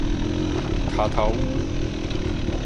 跤頭趺